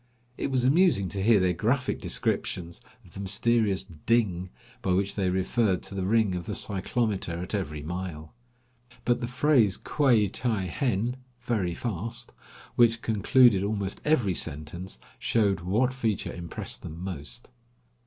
It was amusing to hear their graphic descriptions of the mysterious "ding," by which they referred to the ring of the cyclometer at every mile. But the phrase quai ti henn (very fast), which concluded almost every sentence, showed what feature impressed them most.